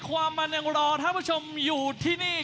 ความมันยังรอท่านผู้ชมอยู่ที่นี่